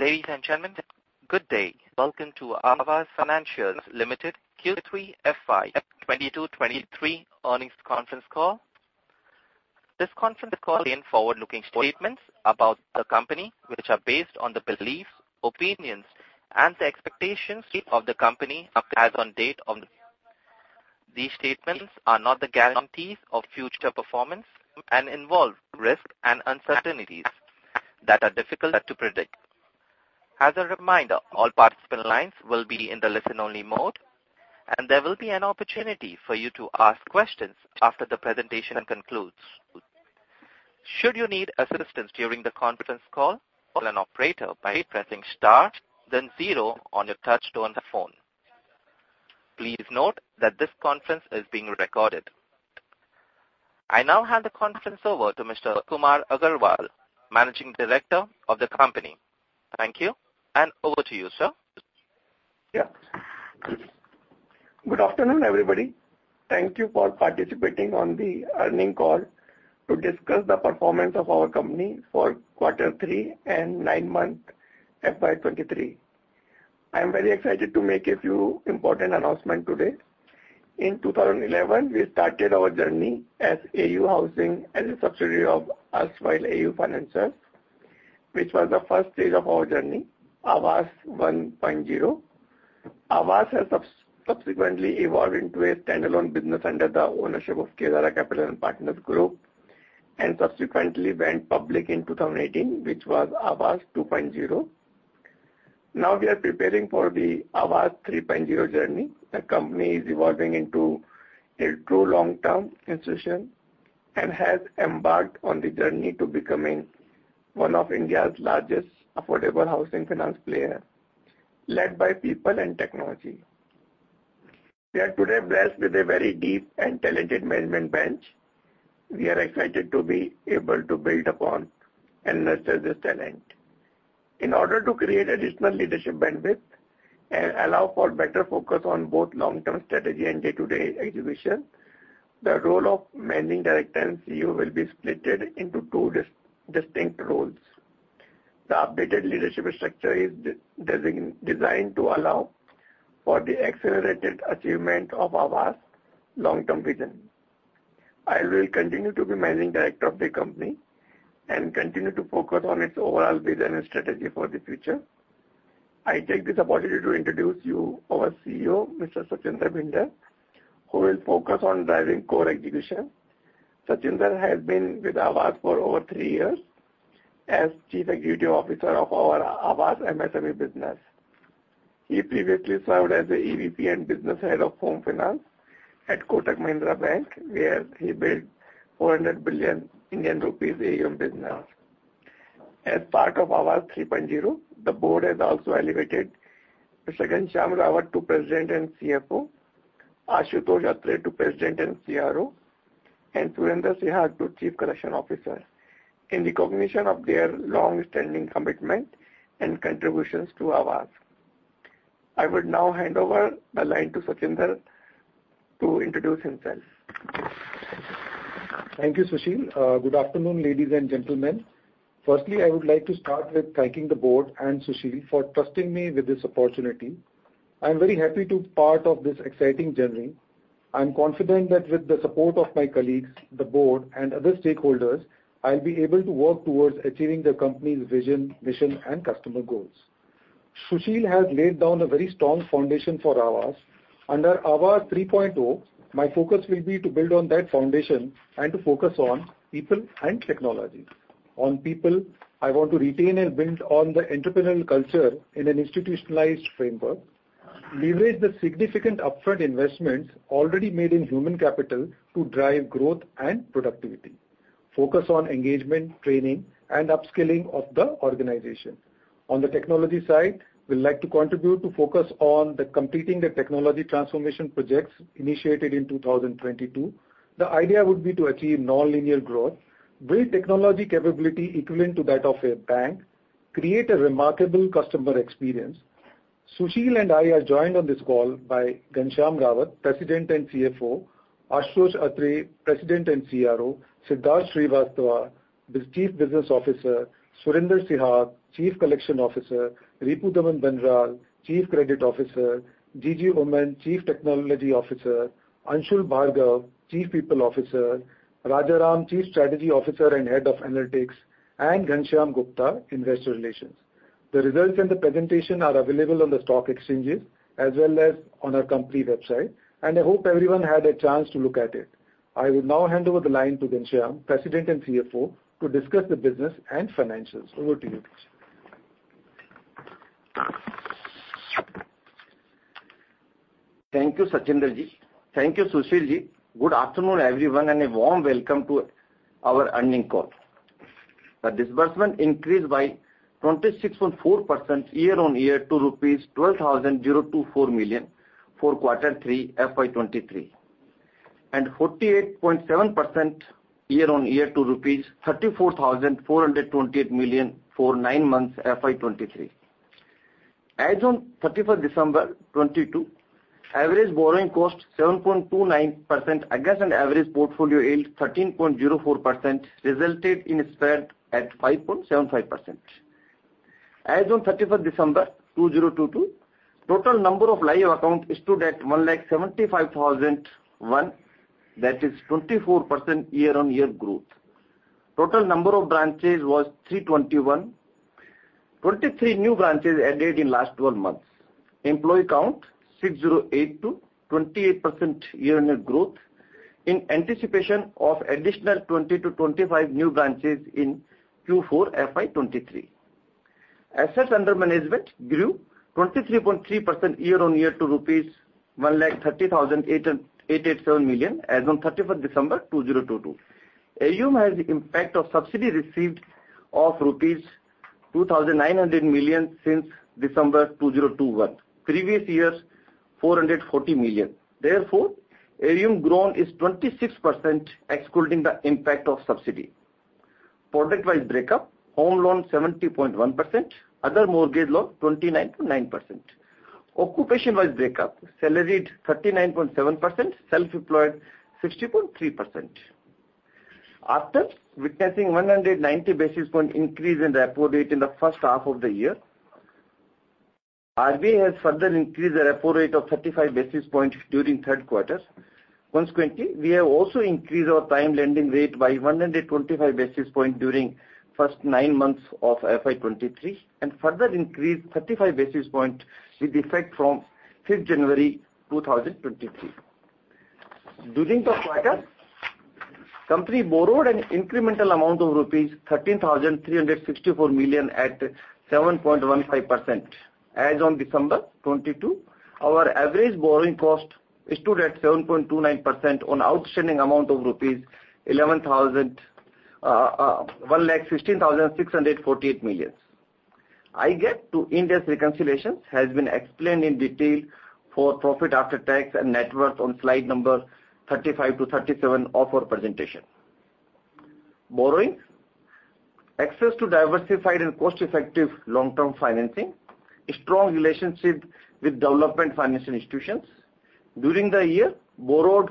Ladies and gentlemen, good day. Welcome to Aavas Financiers Limited Q3 FY 2022, 2023 Earnings Conference Call. This conference call may contain forward-looking statements about the company, which are based on the beliefs, opinions, and the expectations of the company as on date. These statements are not the guarantees of future performance and involve risk and uncertainties that are difficult to predict. As a reminder, all participant lines will be in the listen-only mode, and there will be an opportunity for you to ask questions after the presentation concludes. Should you need assistance during the conference call an operator by pressing star zero on your touchtone phone. Please note that this conference is being recorded. I now hand the conference over to Mr. Sushil Kumar Agarwal, Managing Director of the company. Thank you, and over to you, sir. Yeah. Good afternoon, everybody. Thank you for participating on the earning call to discuss the performance of our company for quarter three and 9-month FY 23. I am very excited to make a few important announcement today. In 2011, we started our journey as AU Housing as a subsidiary of erstwhile AU Finance, which was the first stage of our journey, Aavas 1.0. Aavas has subsequently evolved into a standalone business under the ownership of Kedaara Capital Partners group, and subsequently went public in 2018, which was Aavas 2.0. Now we are preparing for the Aavas 3.0 journey. The company is evolving into a true long-term institution and has embarked on the journey to becoming one of India's largest affordable housing finance player, led by people and technology. We are today blessed with a very deep and talented management bench. We are excited to be able to build upon and nurture this talent. In order to create additional leadership bandwidth and allow for better focus on both long-term strategy and day-to-day execution, the role of Managing Director and CEO will be splitted into two distinct roles. The updated leadership structure is designed to allow for the accelerated achievement of Aavas' long-term vision. I will continue to be Managing Director of the company and continue to focus on its overall vision and strategy for the future. I take this opportunity to introduce you our CEO, Mr. Sachindra Bhinder, who will focus on driving core execution. Sachindra has been with Aavas for over three years as Chief Executive Officer of our Aavas MSME business. He previously served as the EVP and Business Head of Home Finance at Kotak Mahindra Bank, where he built 400 billion Indian rupees AUM business. As part of Aavas 3.0, the board has also elevated Mr. Ghanshyam Rawat to President and CFO, Ashutosh Atre to President and CRO, and Surinder Singh to Chief Collection Officer in recognition of their long-standing commitment and contributions to Aavas. I would now hand over the line to Sachindra to introduce himself. Thank you, Sushil. Good afternoon, ladies and gentlemen. I would like to start with thanking the board and Sushil for trusting me with this opportunity. I am very happy to part of this exciting journey. I am confident that with the support of my colleagues, the board, and other stakeholders, I'll be able to work towards achieving the company's vision, mission, and customer goals. Sushil has laid down a very strong foundation for Aavas. Under Aavas 3.0, my focus will be to build on that foundation and to focus on people and technology. On people, I want to retain and build on the entrepreneurial culture in an institutionalized framework, leverage the significant upfront investments already made in human capital to drive growth and productivity, focus on engagement, training, and upskilling of the organization. On the technology side, we'd like to contribute to focus on the completing the technology transformation projects initiated in 2022. The idea would be to achieve nonlinear growth, build technology capability equivalent to that of a bank, create a remarkable customer experience. Sushil and I are joined on this call by Ghanshyam Rawat, President and CFO, Ashutosh Atre, President and CRO, Siddharth Srivastava, Chief Business Officer, Surinder Singh, Chief Collection Officer, Ripudaman Bandral, Chief Credit Officer, Gigi Boman, Chief Technology Officer, Anshul Bhargava, Chief People Officer, Rajaram, Chief Strategy Officer and Head of Analytics, and Ghanshyam Gupta, Investor Relations. The results and the presentation are available on the stock exchanges as well as on our company website. I hope everyone had a chance to look at it. I will now hand over the line to Ghanshyam, President and CFO, to discuss the business and financials. Over to you. Thank you, Sachindra Ji. Thank you, Sushil Ji. Good afternoon, everyone, and a warm welcome to our earning call. The disbursement increased by 26.4% year-on-year to 12,024 million for quarter three, FY23, and 48.7% year-on-year to rupees 34,428 million for nine months, FY23. As on 31st December 2022, average borrowing cost 7.29% against an average portfolio yield 13.04% resulted in a spread at 5.75%. As on 31st December 2022, total number of live accounts stood at 1,75,001, that is 24% year-on-year growth. Total number of branches was 321. 23 new branches added in last 12 months. Employee count 6,082, 28% year-on-year growth in anticipation of additional 20-25 new branches in Q4 FY23. Assets under management grew 23.3% year-on-year to rupees 1,30,887 million as on 31st December 2022. AUM has the impact of subsidy received of rupees 2,900 million since December 2021. Previous years, 440 million. AUM grown is 24% excluding the impact of subsidy. Product-wise break-up, home loan 70.1%, other mortgage loans 29.9%. Occupation-wise break up, salaried 39.7%, self-employed 60.3%. After witnessing 190 basis points increase in the repo rate in the first half of the year, RBI has further increased the repo rate of 35 basis points during third quarter. We have also increased our time lending rate by 125 basis points during first nine months of FY23, and further increased 35 basis points with effect from 5th January 2023. During the quarter, company borrowed an incremental amount of rupees 13,364 million at 7.15%. As on December 2022, our average borrowing cost stood at 7.29% on outstanding amount of rupees 116,648 million. IGET to Ind AS reconciliations has been explained in detail for profit after tax and net worth on slide number 35-37 of our presentation. Borrowings. Access to diversified and cost-effective long-term financing. A strong relationship with development financial institutions. During the year, borrowed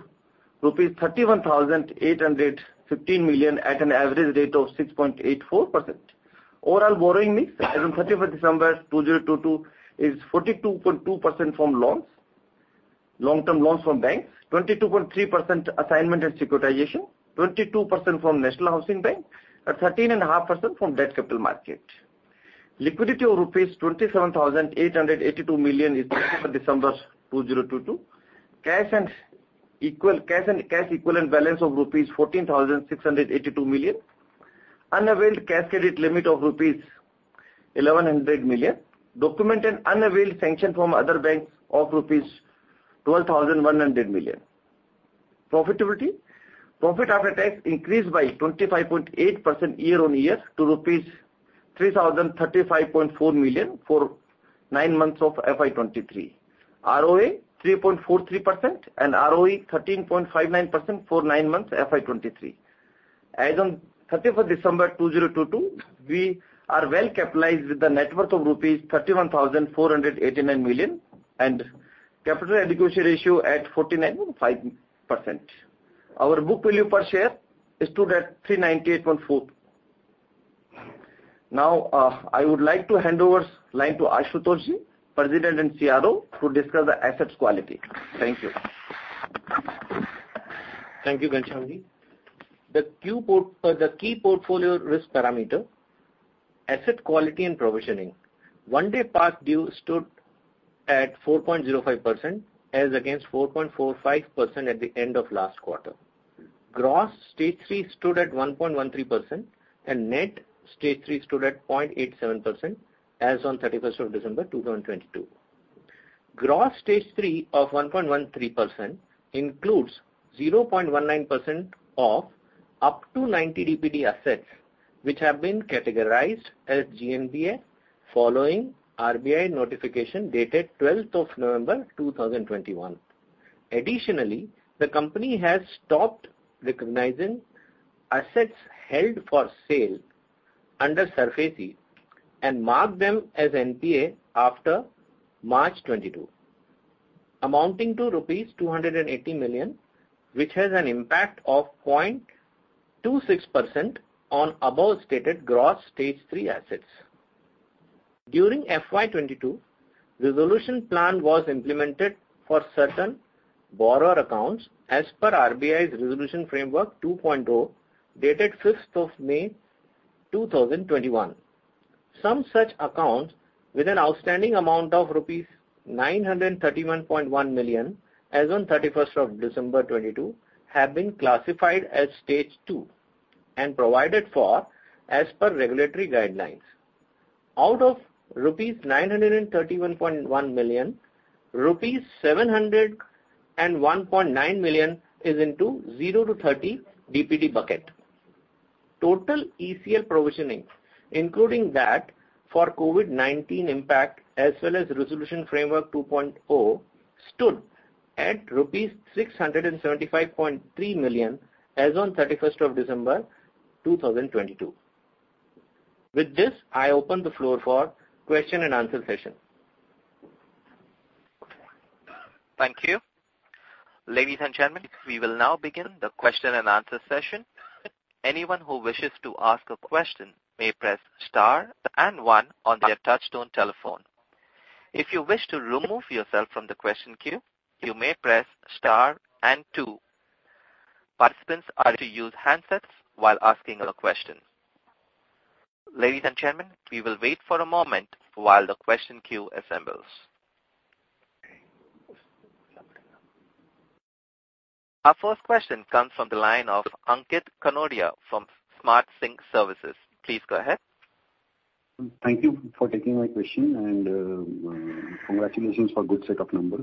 rupees 31,815 million at an average rate of 6.84%. Overall borrowing mix as on 31st December 2022 is 42.2% from loans, long-term loans from banks, 22.3% assignment and securitization, 22% from National Housing Bank, and 13.5% from debt capital market. Liquidity of rupees 27,882 million is as on December 2022. Cash and cash equivalent balance of rupees 14,682 million. Unavailed cash credit limit of rupees 1,100 million. Documented and availed sanction from other banks of rupees 12,100 million. Profitability. Profit after tax increased by 25.8% year-on-year to rupees 3,035.4 million for 9 months of FY23. ROA 3.43% and ROE 13.59% for 9 months FY23. As on 31st December 2022, we are well capitalized with a net worth of rupees 31,489 million, and capital adequacy ratio at 49.5%. Our book value per share stood at 398.4. I would like to hand over line to Ashutosh Ji, President and CRO, to discuss the assets quality. Thank you. Thank you, Ghanshyam Ji. The key portfolio risk parameter, asset quality and provisioning. One day past due stood at 4.05% as against 4.45% at the end of last quarter. Gross Stage 3 stood at 1.13% and net Stage 3 stood at 0.87% as on 31st of December 2022. Gross Stage 3 of 1.13% includes 0.19% of up to 90 DPD assets which have been categorized as GNPA following RBI notification dated 12th of November 2021. Additionally, the company has stopped recognizing assets held for sale under SARFAESI and marked them as NPA after March 2022, amounting to rupees 280 million, which has an impact of 0.26% on above-stated gross Stage 3 assets. During FY22, resolution plan was implemented for certain borrower accounts as per RBI's Resolution Framework 2.0 dated May 5, 2021. Some such accounts with an outstanding amount of rupees 931.1 million as on December 31, 2022 have been classified as Stage 2 and provided for as per regulatory guidelines. Out of rupees 931.1 million, rupees 701.9 million is into 0-30 DPD bucket. Total ECL provisioning, including that for COVID-19 impact as well as Resolution Framework 2.0 stood at. At rupees 675.3 million as on December 31, 2022. With this, I open the floor for question and answer session. Thank you. Ladies and gentlemen, we will now begin the question and answer session. Anyone who wishes to ask a question may press star and one on their touchtone telephone. If you wish to remove yourself from the question queue, you may press star and two. Participants are to use handsets while asking a question. Ladies and gentlemen, we will wait for a moment while the question queue assembles. Our first question comes from the line of Ankit Kanodia from SmartSync Services. Please go ahead. Thank you for taking my question, and congratulations for good set of number.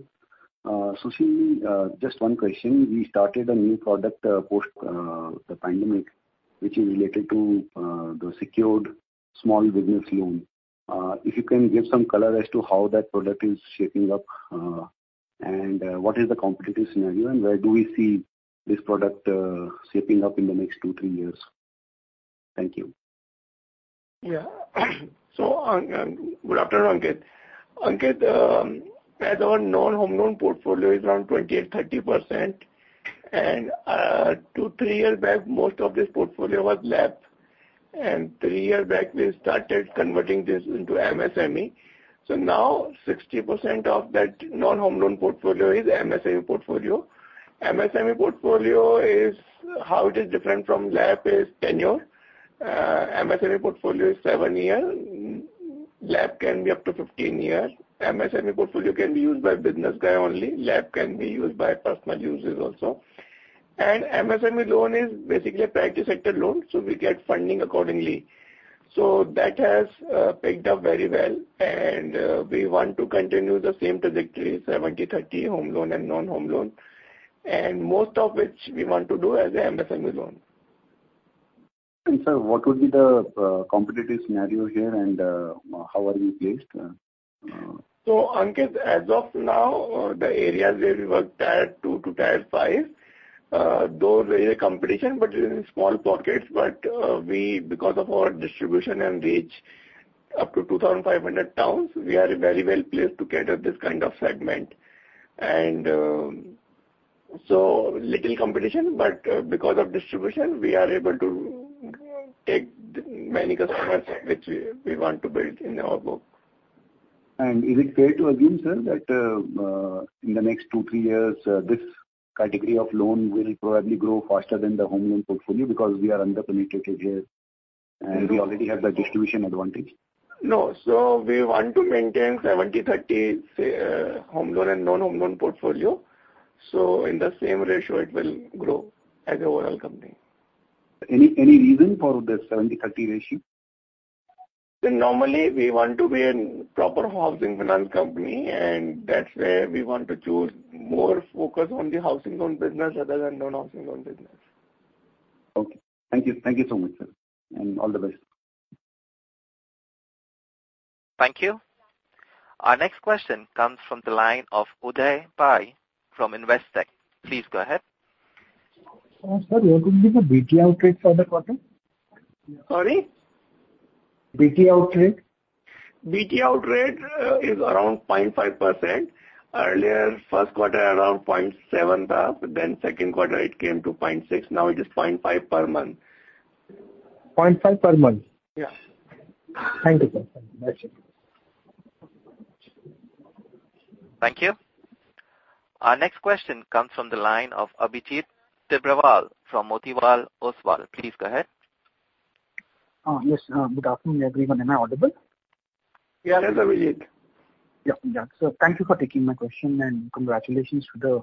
Sushil ji, just one question. We started a new product post the pandemic, which is related to the secured small business loan. If you can give some color as to how that product is shaping up, and what is the competitive scenario and where do we see this product shaping up in the next two, three years? Thank you. Yeah. Good afternoon, Ankit. Ankit, as our non-home loan portfolio is around 28%-30%, 2, 3 years back, most of this portfolio was left. 3 years back, we started converting this into MSME. Now 60% of that non-home loan portfolio is MSME portfolio. MSME portfolio is, how it is different from LAP is tenure. MSME portfolio is 7 year. LAP can be up to 15 years. MSME portfolio can be used by business guy only. LAP can be used by personal users also. MSME loan is basically a priority sector loan, we get funding accordingly. That has picked up very well, we want to continue the same trajectory, 70-30 home loan and non-home loan, most of which we want to do as a MSME loan. Sir, what would be the competitive scenario here and, how are we placed? Ankit, as of now, the areas where we work tier two to tier five, those is a competition, but it is in small pockets. We because of our distribution and reach up to 2,500 towns, we are very well placed to cater this kind of segment. Little competition, because of distribution, we are able to take many customers which we want to build in our book. Is it fair to assume, sir, that in the next two, three years, this category of loan will probably grow faster than the home loan portfolio because we are under-penetrated here and we already have the distribution advantage? No. We want to maintain 70-30, say, home loan and non-home loan portfolio. In the same ratio it will grow as an overall company. Any, any reason for the 70-30 ratio? Normally, we want to be an proper housing finance company, that's where we want to choose more focus on the housing loan business rather than non-housing loan business. Okay. Thank you. Thank you so much, sir, and all the best. Thank you. Our next question comes from the line of Uday Pai from Investec. Please go ahead. Sir, what will be the BT rate for the quarter? Sorry? BT rate. BT rate is around 0.5%. Earlier, first quarter around 0.7%. Second quarter it came to 0.6%. Now it is 0.5% per month. 0.5 per month? Yeah. Thank you, sir. Thank you. Thank you. Our next question comes from the line of Abhijit Tibrewal from Motilal Oswal. Please go ahead. Yes. Good afternoon, everyone. Am I audible? Yes, Abhijit. Yeah. Yeah. Thank you for taking my question and congratulations to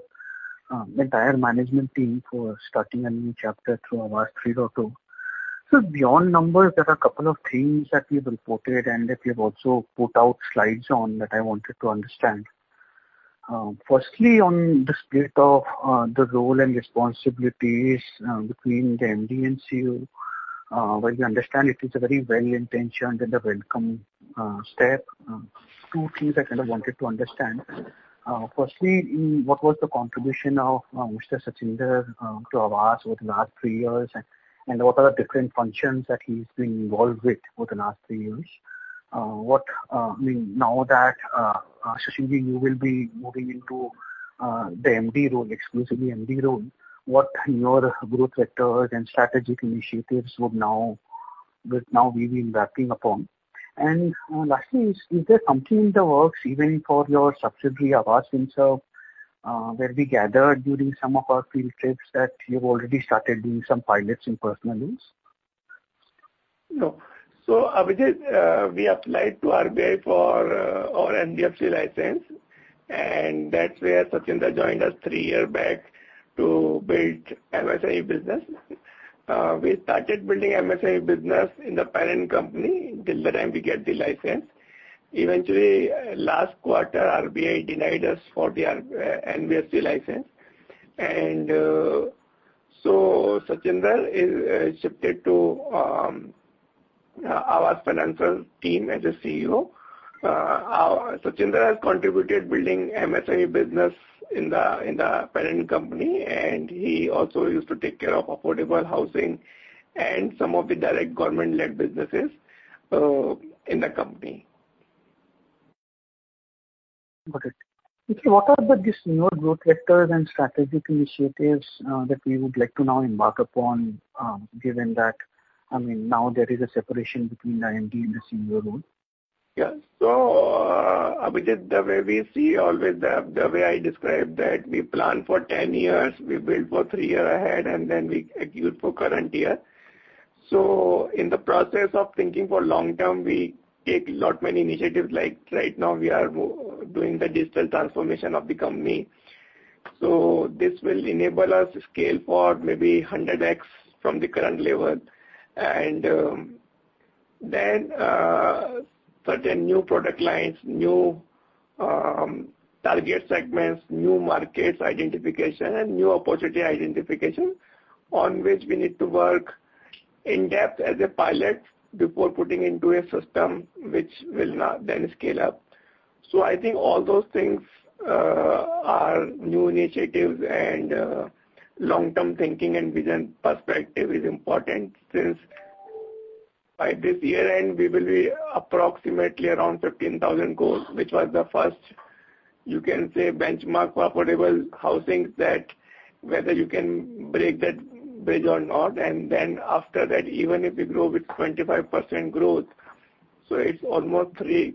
the entire management team for starting a new chapter through Aavas 3.0. Beyond numbers, there are a couple of themes that you've reported and that you've also put out slides on that I wanted to understand. Firstly, on the split of the role and responsibilities between the MD and CEO, while we understand it is a very well-intentioned and a welcome step, 2 things I kind of wanted to understand. Firstly, what was the contribution of Mr. Sachindra to Aavas over the last 3 years and what are the different functions that he's been involved with over the last 3 years? What, I mean, now that Sushil ji, you will be moving into the MD role, exclusively MD role, what your growth vectors and strategic initiatives would now be being mapping upon? Lastly, is there something in the works even for your subsidiary Aavas Finserv, where we gathered during some of our field trips that you've already started doing some pilots in personal loans? No. Abhijit, we applied to RBI for our NBFC license, and that's where Sachindra joined us 3 year back to build MSME business. We started building MSME business in the parent company till the time we get the license. Eventually, last quarter, RBI denied us for the NBFC license and so Sachindra is shifted to Aavas Financiers team as a CEO. Sachin has contributed building MSME business in the parent company, and he also used to take care of affordable housing and some of the direct government-led businesses in the company. Got it. Okay, what are these newer growth vectors and strategic initiatives that we would like to now embark upon, given that, I mean, now there is a separation between the MD and the CEO role? Yeah. Abhijit, the way we see always, the way I described that we plan for 10 years, we build for 3 year ahead, we execute for current year. In the process of thinking for long term, we take lot many initiatives, like right now we are doing the digital transformation of the company. This will enable us to scale for maybe 100x from the current level. Then, certain new product lines, new target segments, new markets identification, and new opportunity identification on which we need to work in-depth as a pilot before putting into a system which will now then scale up. I think all those things are new initiatives and long-term thinking and vision perspective is important since by this year-end, we will be approximately around 15,000 goals, which was the first, you can say, benchmark for affordable housing that whether you can break that bridge or not. Then after that, even if we grow with 25% growth, it's almost 3,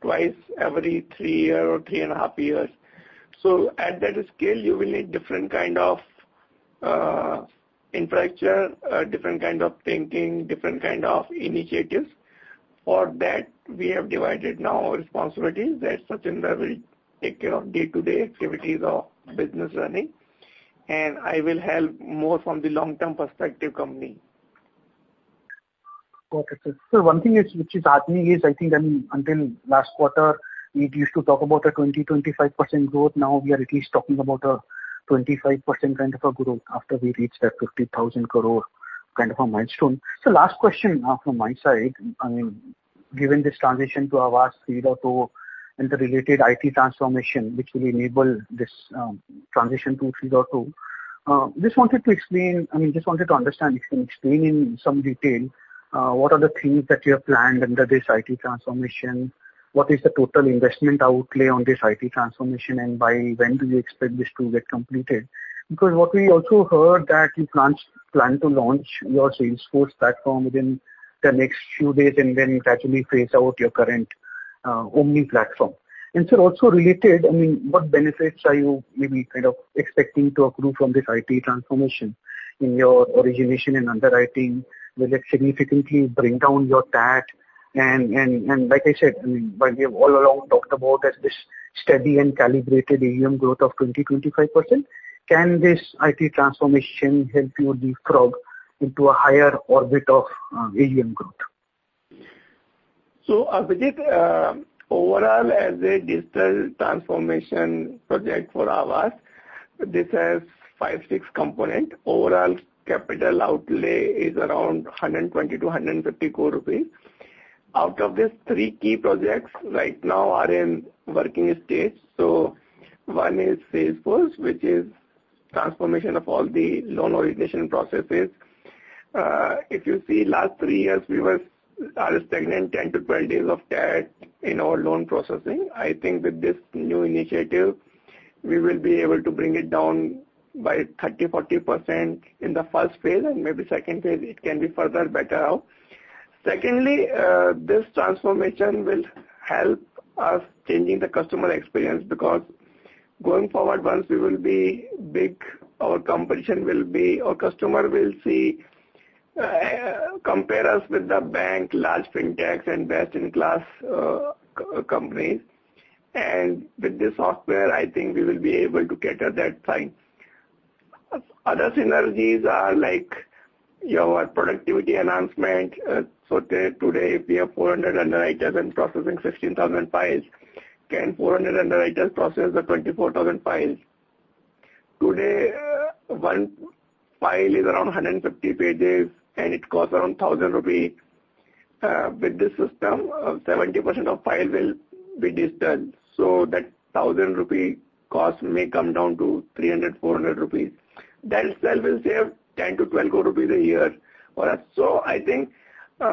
twice every 3 year or 3 and a half years. At that scale, you will need different kind of infrastructure, different kind of thinking, different kind of initiatives. For that, we have divided now our responsibilities, that Sachin will take care of day-to-day activities of business running, and I will help more from the long-term perspective company. Okay, sir. One thing is, which is heartening is I think until last quarter, we used to talk about a 20-25% growth. Now we are at least talking about a 25% kind of a growth after we reach that 50,000 crore kind of a milestone. Last question from my side. I mean, given this transition to Aavas 3.0 and the related IT transformation which will enable this transition to 3.0, just wanted to understand if you can explain in some detail what are the things that you have planned under this IT transformation? What is the total investment outlay on this IT transformation, and by when do you expect this to get completed? Because what we also heard that you plan to launch your Salesforce platform within the next few days and then gradually phase out your current Omni platform. Sir, also related, I mean, what benefits are you maybe kind of expecting to accrue from this IT transformation in your origination and underwriting? Will it significantly bring down your TAC? Like I said, I mean, like we have all along talked about that this steady and calibrated AUM growth of 20-25%, can this IT transformation help you leapfrog into a higher orbit of AUM growth? Abhijit, overall as a digital transformation project for Aavas, this has 5, 6 component. Overall capital outlay is around 120-150 crore rupees. Out of this, 3 key projects right now are in working stage. One is Salesforce, which is transformation of all the loan origination processes. If you see last 3 years, we are stagnant 10-12 days of TAC in our loan processing. I think with this new initiative, we will be able to bring it down by 30%-40% in the first phase, and maybe second phase it can be further better out. This transformation will help us changing the customer experience because going forward, once we will be big, our competition will be or customer will see, compare us with the bank, large Fintechs and best-in-class companies. With this software, I think we will be able to cater that fine. Other synergies are like your productivity enhancement. Today, if we have 400 underwriters and processing 16,000 files, can 400 underwriters process the 24,000 files? Today, one file is around 150 pages, and it costs around 1,000 rupees. With this system, 70% of file will be digital. That 1,000 rupee cost may come down to 300-400 rupees. That itself will save 10-12 crore rupees a year for us. I think there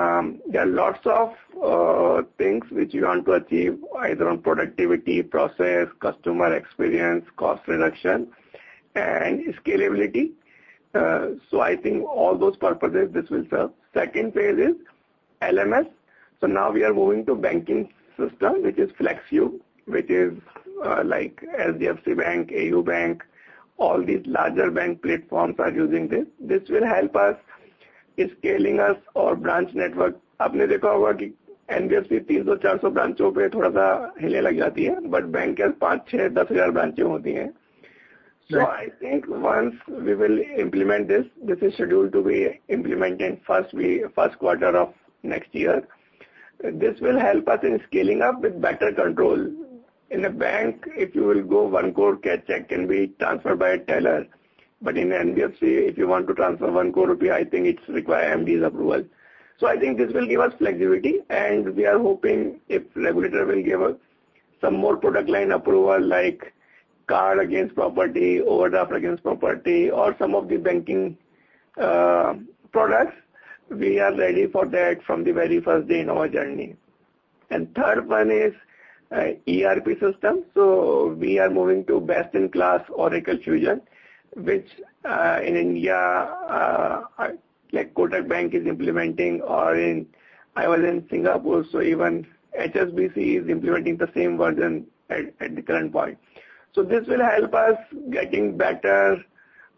are lots of things which we want to achieve either on productivity, process, customer experience, cost reduction and scalability. I think all those purposes this will serve. Second phase is LMS. Now we are moving to banking system, which is FLEXCUBE, which is, like HDFC Bank, AU Bank, all these larger bank platforms are using this. This will help us scaling us our branch network. Right. I think once we will implement this is scheduled to be implemented first quarter of next year. This will help us in scaling up with better control. In a bank, if you will go 1 crore cash check can be transferred by a teller. In NBFC, if you want to transfer 1 crore rupee, I think it's require MD's approval. I think this will give us flexibility, and we are hoping if regulator will give us some more product line approval, like card against property, overdraft against property or some of the banking products, we are ready for that from the very first day in our journey. Third one is ERP system. We are moving to best in class Oracle Fusion, which in India, like Kotak Bank is implementing or in... I was in Singapore. Even HSBC is implementing the same version at the current point. This will help us getting better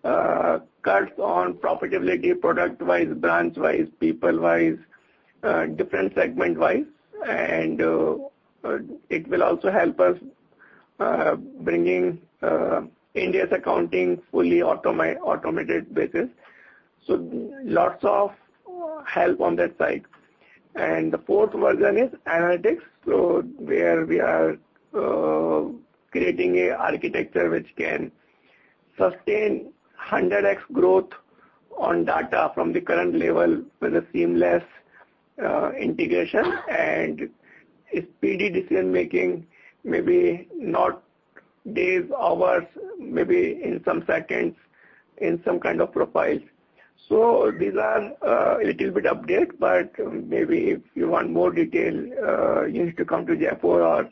cuts on profitability product-wise, branch-wise, people-wise, different segment-wise. It will also help us bringing India's accounting fully automated basis. Lots of help on that side. The fourth version is analytics, where we are creating a architecture which can sustain 100x growth on data from the current level with a seamless integration and speedy decision-making, maybe not days, hours, maybe in some seconds, in some kind of profiles. These are a little bit update, but maybe if you want more detail, you need to come to Jaipur or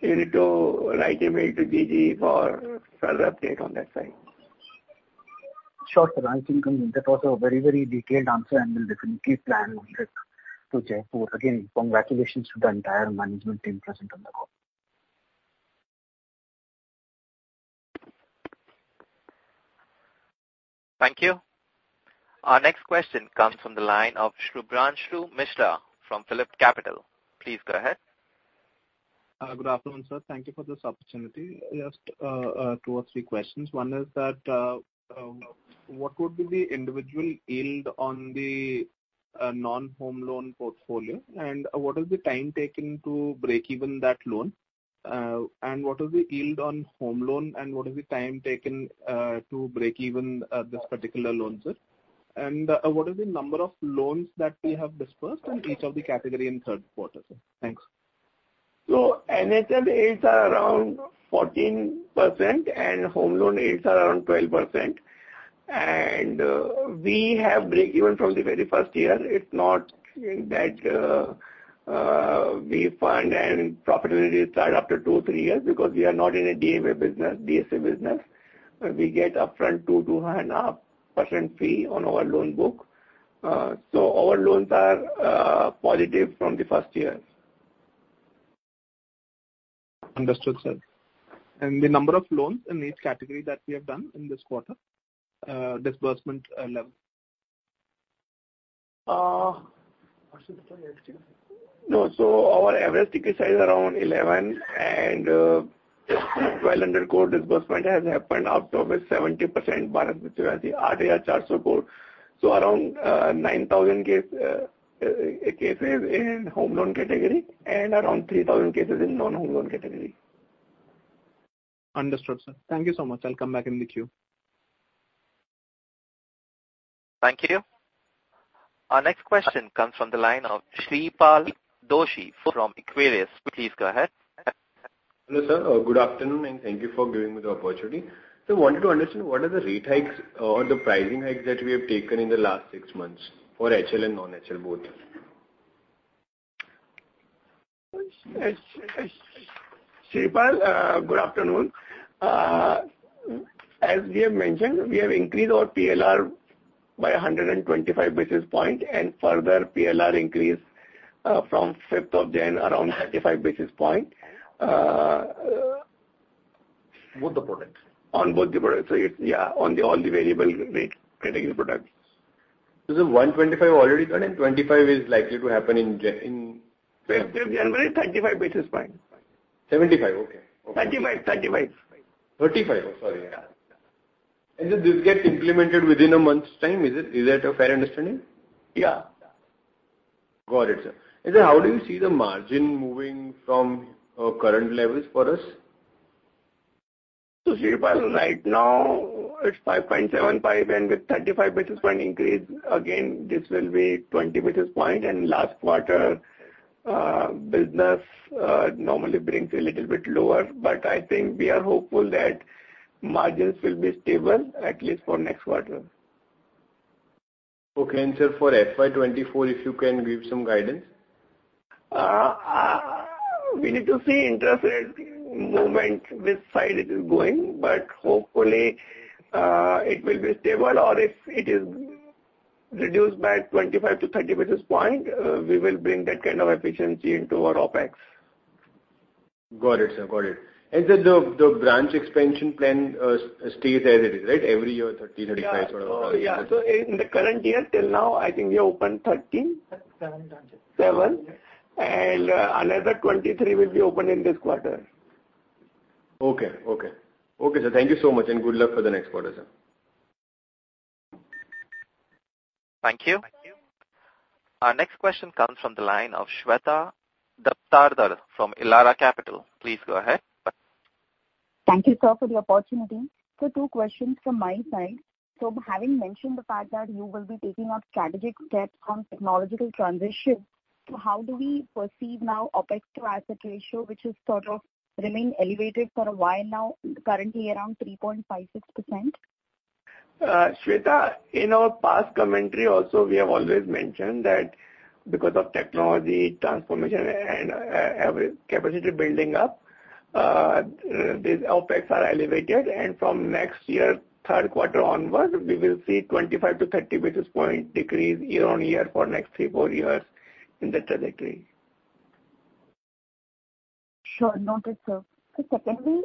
you need to write email to GG for further update on that side. Sure, sir. I think that was a very, very detailed answer, and we'll definitely plan on it to Jaipur. Again, congratulations to the entire management team present on the call. Thank you. Our next question comes from the line of Shubhranshu Mishra from PhillipCapital. Please go ahead. Good afternoon, sir. Thank you for this opportunity. Just two or three questions. One is that, what would be the individual yield on the non-home loan portfolio? What is the time taken to break even that loan? What is the yield on home loan, and what is the time taken to break even this particular loan, sir? What is the number of loans that we have disbursed in each of the category in third quarter, sir? Thanks. NHL yields are around 14%, and home loan yields are around 12%. We have breakeven from the very first year. It's not that, we fund and profitability start after 2, 3 years because we are not in a DMA business, DSA business. We get upfront 2%-2.5% fee on our loan book. Our loans are positive from the first year. Understood, sir. The number of loans in each category that we have done in this quarter, disbursement, level. What's the question again? Excuse me. No. Our average ticket size around 11 and 1,200 crore disbursement has happened out of it, 70% 8,400 crore. Around 9,000 cases in home loan category and around 3,000 cases in non-home loan category. Understood, sir. Thank you so much. I'll come back in the queue. Thank you. Our next question comes from the line of Sreepal Doshi from Equirus Securities. Please go ahead. Hello, sir. Good afternoon, thank you for giving me the opportunity. I wanted to understand what are the rate hikes or the pricing hikes that we have taken in the last 6 months for HL and non-HL both? Sreepal, good afternoon. As we have mentioned, we have increased our PLR by 125 basis point and further PLR increase from 5th of January around 35 basis point. Both the products? On both the products. It's, yeah, on all the variable rate category products. The 125 already done and 25 is likely to happen in January, in February? In February, 35 basis point. 75? Okay. Okay. 35. 35. Oh, sorry. Yeah. Does this get implemented within a month's time? Is that a fair understanding? Yeah. Got it, sir. How do you see the margin moving from current levels for us? Sreepal, right now it's 5.75, and with 35 basis point increase, again, this will be 20 basis point. Last quarter, business normally brings a little bit lower, but I think we are hopeful that margins will be stable at least for next quarter. Okay. Sir, for FY 2024, if you can give some guidance. We need to see interest rate movement, which side it is going, but hopefully, it will be stable or if it is reduced by 25 to 30 basis points, we will bring that kind of efficiency into our OpEx. Got it, sir. Got it. Sir, the branch expansion plan stays as it is, right? Every year, 35. Yeah. In the current year till now I think we have opened 13. Seven branches. Seven. Another 23 will be open in this quarter. Okay, sir. Thank you so much, and good luck for the next quarter, sir. Thank you. Our next question comes from the line of Shweta Daptardar from Elara Capital. Please go ahead. Thank you, sir, for the opportunity. Two questions from my side. Having mentioned the fact that you will be taking on strategic steps on technological transition, so how do we perceive now OpEx to asset ratio, which has sort of remained elevated for a while now, currently around 3.56%? Shweta, in our past commentary also, we have always mentioned that because of technology transformation and capacity building up, these OPEX are elevated. From next year, third quarter onwards, we will see 25-30 basis point decrease year-on-year for next 3-4 years in that trajectory. Sure. Noted, sir. Secondly,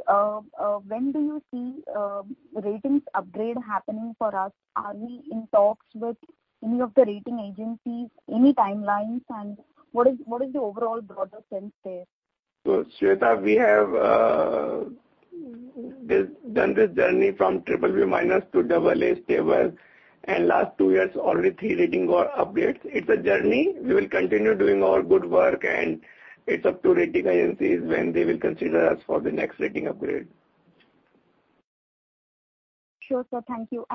when do you see ratings upgrade happening for us? Are we in talks with any of the rating agencies? Any timelines, and what is the overall broader sense there? Shweta, we have done this journey from triple B minus to double A stable, and last 2 years already 3 rating were updates. It's a journey. We will continue doing our good work and it's up to rating agencies when they will consider us for the next rating upgrade. Sure, sir. Thank you.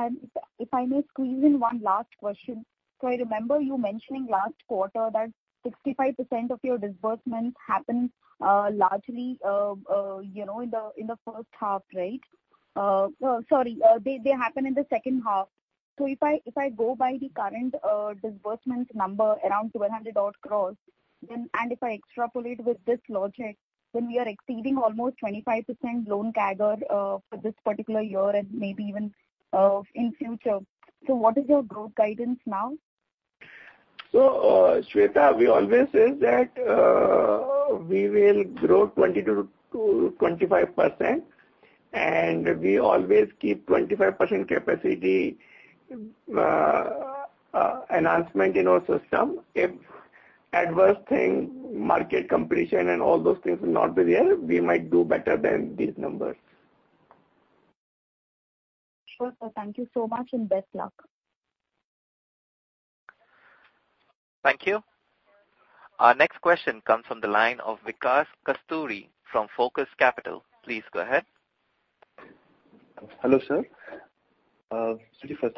If I may squeeze in 1 last question. I remember you mentioning last quarter that 65% of your disbursements happen, largely, you know, in the, in the first half, right? Sorry, they happen in the second half. If I go by the current disbursement number around 200 odd crores, then, and if I extrapolate with this logic, then we are exceeding almost 25% loan CAGR for this particular year and maybe even in future. What is your growth guidance now? Shweta, we always say that we will grow 20-25%. We always keep 25% capacity enhancement in our system. If adverse thing, market competition and all those things will not be there, we might do better than these numbers. Sure, sir. Thank you so much and best luck. Thank you. Our next question comes from the line of Vikas Kasturi from Focus Capital. Please go ahead. Hello, sir. First of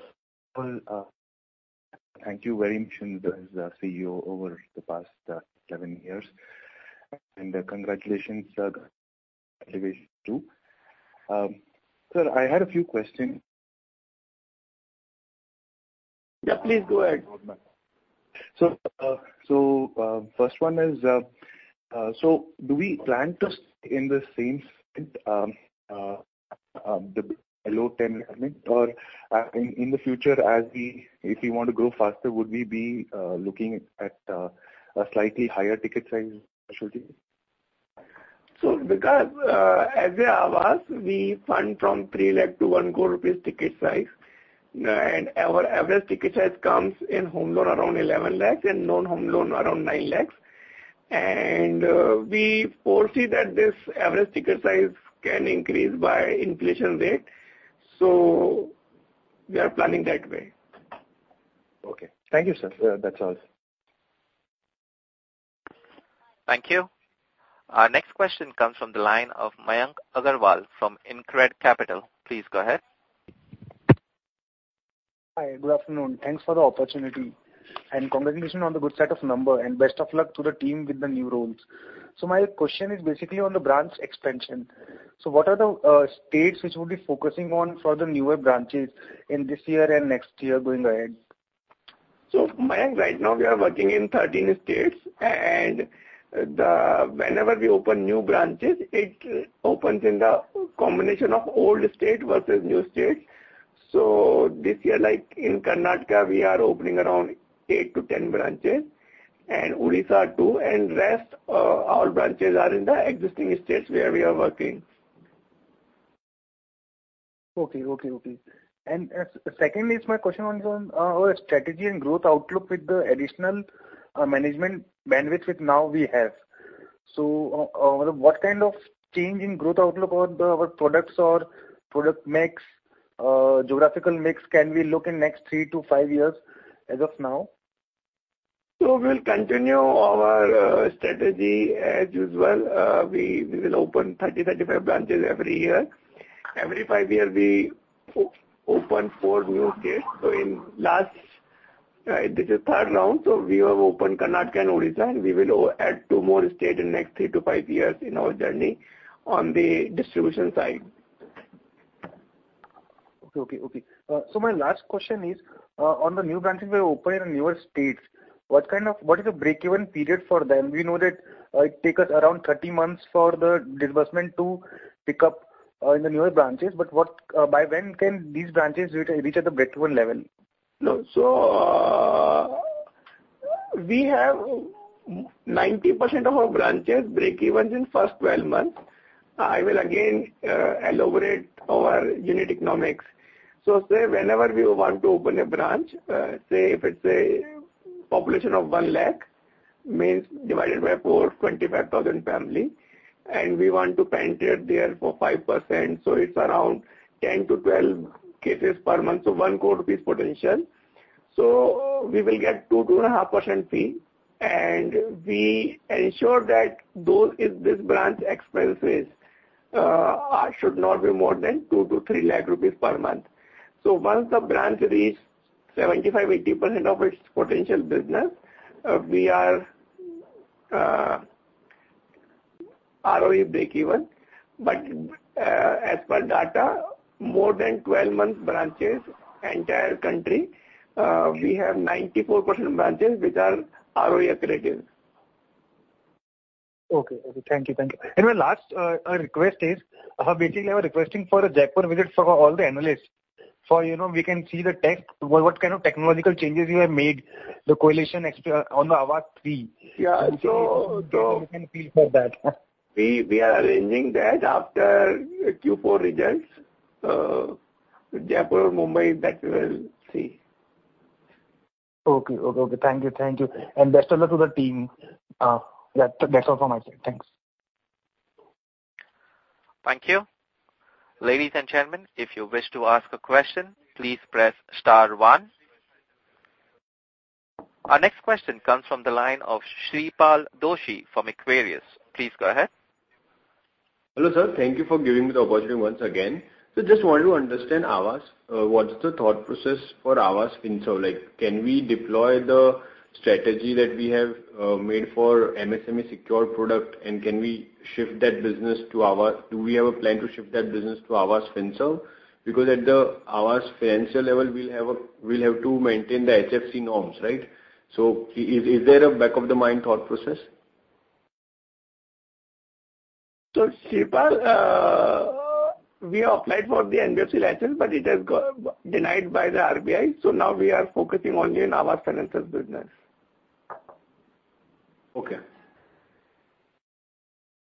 all, thank you very much as the CEO over the past, 7 years. Congratulations, sir, on the elevation too. Sir, I had a few questions. Yeah, please go ahead. First one is, so do we plan to stay in the same segment, below INR 10 lakh, or in the future as we, if we want to grow faster, would we be looking at a slightly higher ticket size specialty? Vikas, as a Aavas, we fund from 3 lakh to 1 crore rupees ticket size. Our average ticket size comes in home loan around 11 lakhs and non-home loan around 9 lakhs. We foresee that this average ticket size can increase by inflation rate, so we are planning that way. Okay. Thank you, sir. That's all. Thank you. Our next question comes from the line of Mayank Agarwal from Incred Capital. Please go ahead. Hi. Good afternoon. Thanks for the opportunity, and congratulations on the good set of number, and best of luck to the team with the new roles. My question is basically on the branch expansion. What are the states which we'll be focusing on for the newer branches in this year and next year going ahead? Mayank, right now we are working in 13 states. Whenever we open new branches, it opens in the combination of old state versus new state. This year, like in Karnataka, we are opening around 8-10 branches, and Odisha 2. Rest, our branches are in the existing states where we are working. Okay. Okay. Secondly, it's my question on our strategy and growth outlook with the additional management bandwidth which now we have. What kind of change in growth outlook on our products or product mix, geographical mix can we look in next three to five years as of now? We'll continue our strategy as usual. We will open 30-35 branches every year. Every 5 years we open 4 new states. In last, this is third round, we have opened Karnataka and Odisha, and we will add 2 more state in next 3-5 years in our journey on the distribution side. Okay. Okay. Okay. My last question is on the new branches we are opening in newer states, what is the break-even period for them? We know that it take us around 30 months for the disbursement to pick up in the newer branches. By when can these branches reach at the break-even level? No. We have 90% of our branches break-evens in first 12 months. I will again elaborate our unit economics. Say, whenever we want to open a branch, say if it's a population of 1 lakh-Means divided by four, 25,000 family. We want to penetrate there for 5%, so it's around 10-12 cases per month, so 1 crore rupees potential. We will get 2.5% fee, and we ensure that those in this branch expenses should not be more than 2-3 lakh rupees per month. Once the branch reach 75%-80% of its potential business, we are ROE break-even. As per data, more than 12 months branches entire country, we have 94% branches which are ROE accredited. Okay. Okay. Thank you. Thank you. My last request is basically I was requesting for a Jaipur visit for all the analysts, for, you know, we can see the tech. What kind of technological changes you have made, the coalition extra on the Aavas 3.0. Yeah. We can feel for that. We are arranging that after Q4 results. Jaipur or Mumbai, that we will see. Okay. Okay. Thank you. Thank you. Best luck to the team. That's all from my side. Thanks. Thank you. Ladies and gentlemen, if you wish to ask a question, please press star one. Our next question comes from the line of Sreepal Doshi from Equirus Securities. Please go ahead. Hello, sir. Thank you for giving me the opportunity once again. just want to understand Aavas. what's the thought process for Aavas Finserv? can we deploy the strategy that we have made for MSME secured product and can we shift that business to Aavas? Do we have a plan to shift that business to Aavas Finserv? at the Aavas Financiers level we'll have to maintain the HFC norms, right? is there a back of the mind thought process? Sreepal, we applied for the NBFC license, but it has got denied by the RBI, so now we are focusing only on Aavas Financiers business. Okay.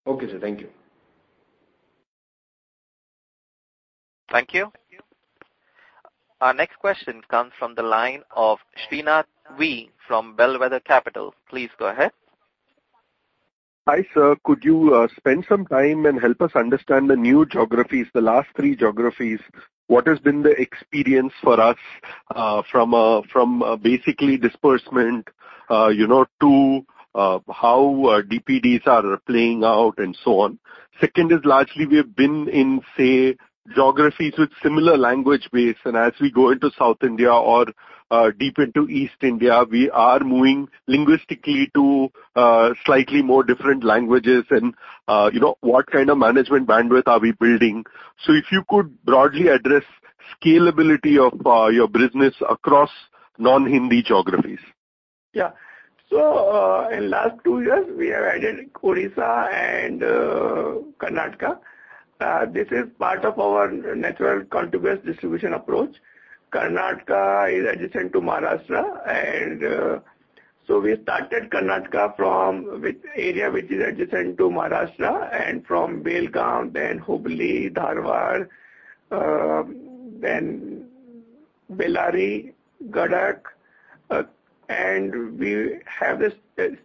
Okay, sir. Thank you. Thank you. Our next question comes from the line of V. Srinath from Bellwether Capital. Please go ahead. Hi sir. Could you spend some time and help us understand the new geographies, the last three geographies? What has been the experience for us from basically disbursement, you know, to how DPDs are playing out and so on? Second is largely we have been in, say, geographies with similar language base, and as we go into South India or deep into East India, we are moving linguistically to slightly more different languages and, you know, what kind of management bandwidth are we building? If you could broadly address scalability of your business across non-Hindi geographies. Yeah. In last two years, we have added Odisha and Karnataka. This is part of our natural contiguous distribution approach. Karnataka is adjacent to Maharashtra and we started Karnataka from which area which is adjacent to Maharashtra and from Belgaum, then Hubli-Dharwad, then Bellary, Gadag. We have this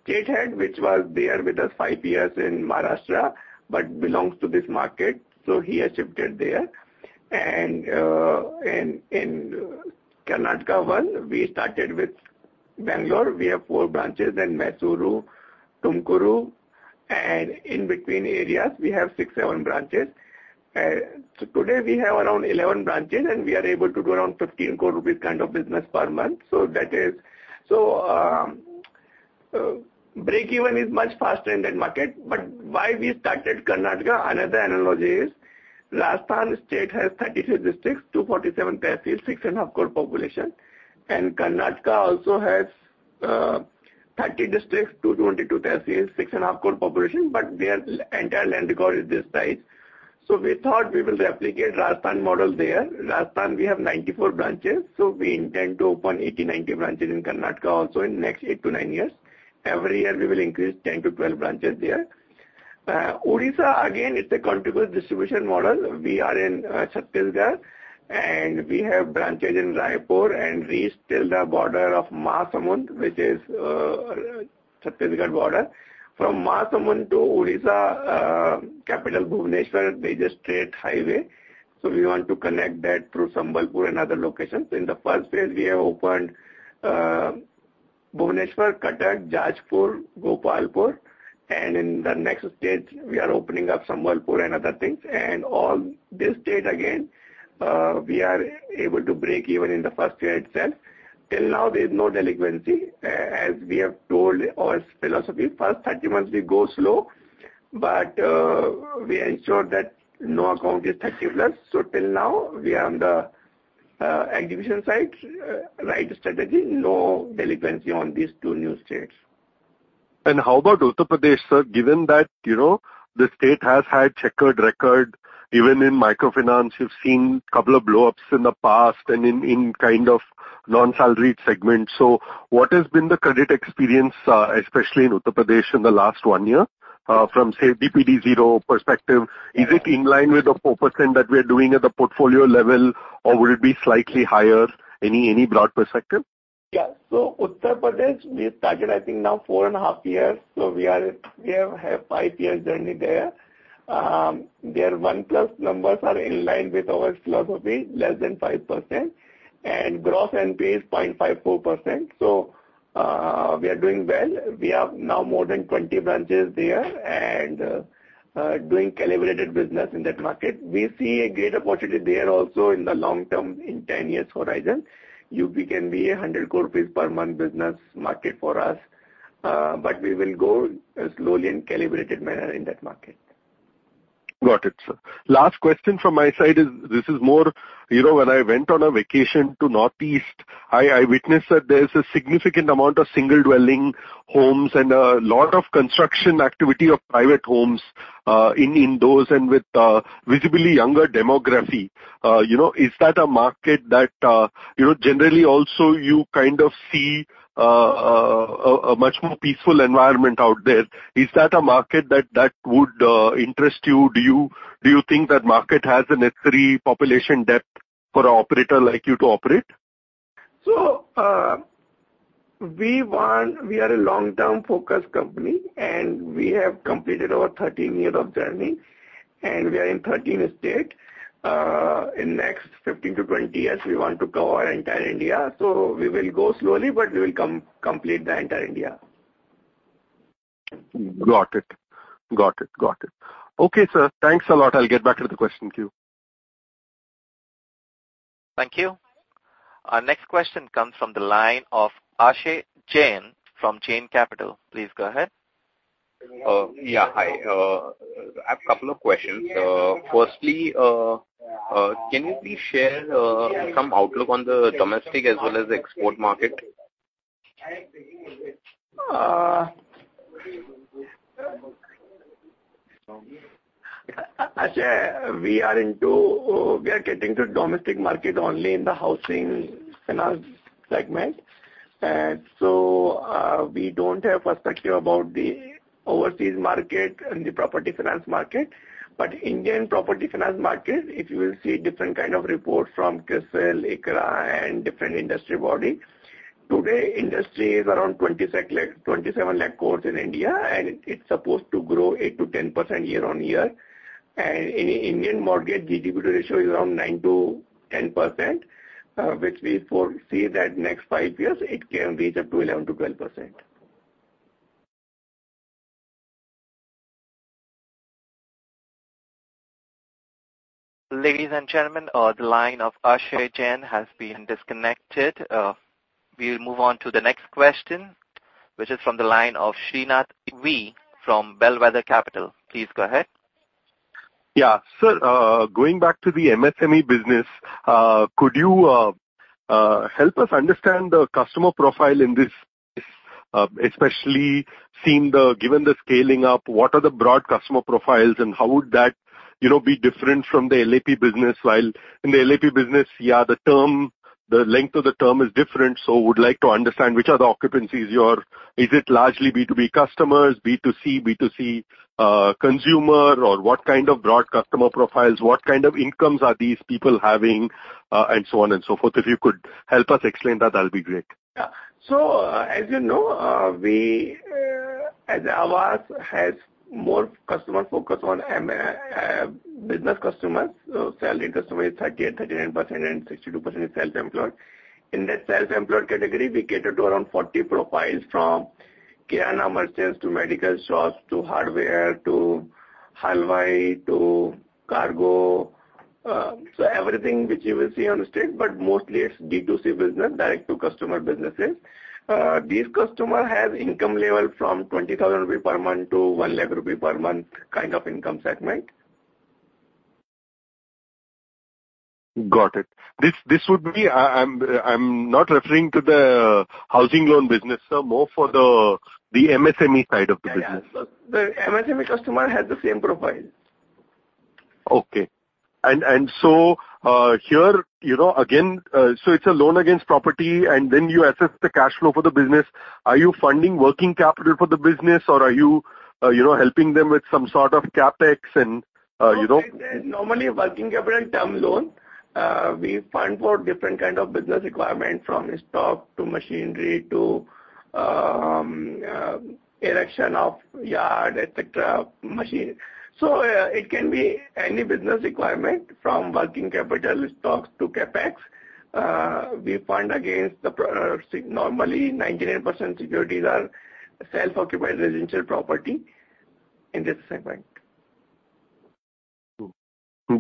state head which was there with us five years in Maharashtra, but belongs to this market, so he has shifted there. In Karnataka 1, we started with Bangalore. We have four branches in Mysuru, Tumakuru, and in between areas we have six, seven branches. Today we have around 11 branches, and we are able to do around 15 crore rupees kind of business per month. Breakeven is much faster in that market. Why we started Karnataka, another analogy is Rajasthan state has 33 districts, 247 tehsils, six and a half crore population, and Karnataka also has 30 districts, 222 tehsils, six and a half crore population, but their entire land record is this size. We thought we will replicate Rajasthan model there. Rajasthan we have 94 branches, so we intend to open 80, 90 branches in Karnataka also in next 8-9 years. Every year, we will increase 10-12 branches there. Odisha, again, it's a contiguous distribution model. We are in Chhattisgarh, and we have branches in Raipur and reached till the border of Mahasamund, which is Chhattisgarh border. From Mahasamund to Odisha, capital Bhubaneswar, there's a straight highway, so we want to connect that through Sambalpur and other locations. In the first phase we have opened, Bhubaneswar, Cuttack, Jajpur, Gopalpur, and in the next stage we are opening up Sambalpur and other things. All this state again, we are able to break even in the first year itself. Till now, there's no delinquency. As we have told our philosophy, first 30 months we go slow, but we ensure that no account is 30 plus. Till now we are on the acquisition side, right strategy, no delinquency on these two new states. How about Uttar Pradesh, sir? Given that, you know, the state has had checkered record even in microfinance. You've seen couple of blow-ups in the past and in kind of non-salaried segment. What has been the credit experience, especially in Uttar Pradesh in the last 1 year, from, say, DPD zero perspective, is it in line with the 4% that we are doing at the portfolio level, or will it be slightly higher? Any broad perspective? Uttar Pradesh, we started, I think now 4.5 years. We have had 5-year journey there. Their 1+ numbers are in line with our philosophy, less than 5%. Gross NPA is 0.54%. We are doing well. We have now more than 20 branches there and doing calibrated business in that market. We see a great opportunity there also in the long term, in 10 years horizon. UP can be 100 crore rupees per month business market for us, but we will go slowly in calibrated manner in that market. Got it, sir. Last question from my side is, this is more, you know, when I went on a vacation to Northeast, I witnessed that there is a significant amount of single dwelling homes and a lot of construction activity of private homes in those and with a visibly younger demography. You know, is that a market that, you know, generally also you kind of see a much more peaceful environment out there. Is that a market that would interest you? Do you think that market has the necessary population depth for a operator like you to operate? We are a long-term focused company, and we have completed our 13 year of journey, and we are in 13 state. In next 15-20 years, we want to cover entire India. We will go slowly, but we will come complete the entire India. Got it. Okay, sir. Thanks a lot. I'll get back to the question queue. Thank you. Our next question comes from the line of Akshay Jain from Jain Capital. Please go ahead. Hi. I have a couple of questions. Firstly, can you please share some outlook on the domestic as well as export market? Akshay, we are getting to domestic market only in the housing finance segment. We don't have perspective about the overseas market and the property finance market. Indian property finance market, if you will see different kind of reports from CARE, ICRA and different industry body, today industry is around 27 lakh crore in India and it's supposed to grow 8%-10% year-over-year. In Indian mortgage GDP ratio is around 9%-10%, which we foresee that next 5 years it can reach up to 11%-12%. Ladies and gentlemen, the line of Akshay Jain has been disconnected. We'll move on to the next question, which is from the line of V. Srinath from Bellwether Capital. Please go ahead. Sir, going back to the MSME business, could you help us understand the customer profile in this? Especially given the scaling up, what are the broad customer profiles and how would that, you know, be different from the LAP business? While in the LAP business, yeah, the term, the length of the term is different, so would like to understand which are the occupancies you're... Is it largely B2B customers, B2C consumer or what kind of broad customer profiles? What kind of incomes are these people having, and so on and so forth? If you could help us explain that'll be great. Yeah. As you know, we as Aavas has more customer focus on business customers. Salaried customer is 39% and 62% is self-employed. In that self-employed category, we cater to around 40 profiles from Kirana merchants, to medical shops, to hardware, to halwai, to cargo. Everything which you will see on the street, but mostly it's B2C business, direct to customer businesses. These customer have income level from 20,000 rupees per month to 1 lakh rupees per month kind of income segment. Got it. I'm not referring to the housing loan business, sir. More for the MSME side of the business. Yeah, yeah. The MSME customer has the same profile. Okay. So here, you know, again, so it's a loan against property, and then you assess the cash flow for the business. Are you funding working capital for the business or are you know, helping them with some sort of CapEx and, you know. No, it's a normally working capital and term loan. We fund for different kind of business requirement, from stock to machinery to erection of yard, et cetera, machine. It can be any business requirement from working capital stocks to CapEx. We fund against the see, normally 99% securities are self-occupied residential property in that segment.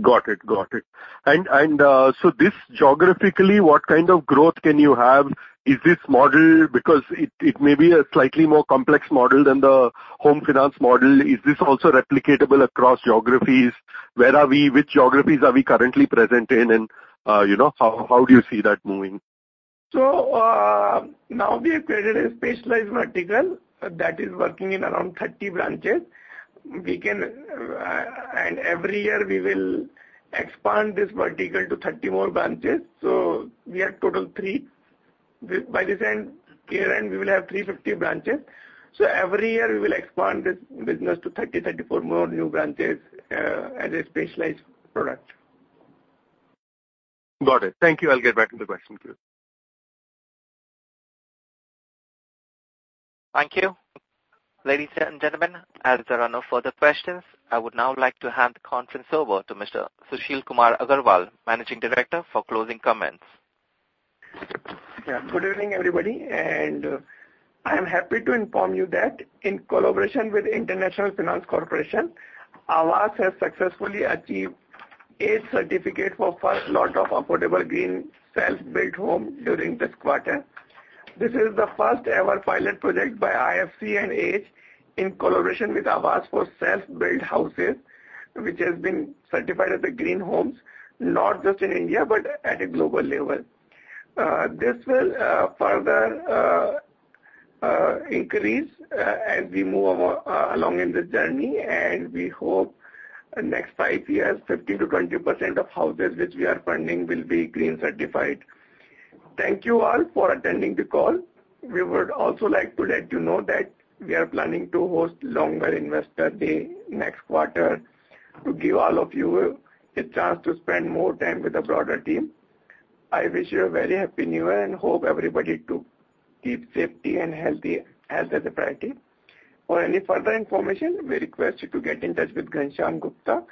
Got it. Got it. So this geographically, what kind of growth can you have? Is this model? Because it may be a slightly more complex model than the home finance model. Is this also replicatable across geographies? Where are we? Which geographies are we currently present in? You know, how do you see that moving? Now we have created a specialized vertical that is working in around 30 branches. We can, and every year we will expand this vertical to 30 more branches. We are total year-end, we will have 350 branches. Every year we will expand this business to 30, 34 more new branches as a specialized product. Got it. Thank you. I'll get back with the question to you. Thank you. Ladies and gentlemen, as there are no further questions, I would now like to hand the conference over to Mr. Sushil Kumar Agarwal, Managing Director, for closing comments. Good evening, everybody. I am happy to inform you that in collaboration with International Finance Corporation, Aavas has successfully achieved EDGE certificate for first lot of affordable green self-built home during this quarter. This is the first-ever pilot project by IFC and EDGE in collaboration with Aavas for self-built houses, which has been certified as a green homes, not just in India, but at a global level. This will further increase as we move along in this journey. We hope next five years, 15%-20% of houses which we are funding will be green certified. Thank you all for attending the call. We would also like to let you know that we are planning to host longer investor day next quarter to give all of you a chance to spend more time with the broader team. I wish you a very happy New Year and hope everybody to keep safety and healthy as a priority. For any further information, we request you to get in touch with Ghanshyam Gupta,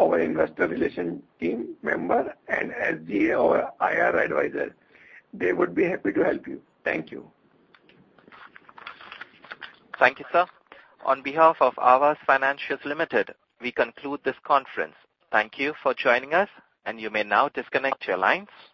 our investor relations team member and SDA or IR advisor. They would be happy to help you. Thank you. Thank you, sir. On behalf of Aavas Financiers Limited, we conclude this conference. Thank you for joining us. You may now disconnect your lines.